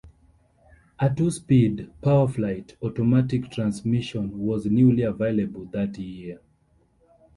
A two-speed "PowerFlite" automatic transmission was newly available that year.